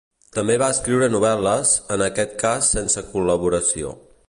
També va escriure novel·les, en aquest cas sense col·laboració.